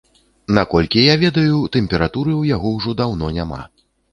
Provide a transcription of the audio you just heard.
Наколькі я ведаю, тэмпературы ў яго ўжо даўно няма.